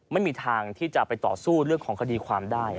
ไม่มีทางที่จะไปต่อสู้เรื่องของคดีความได้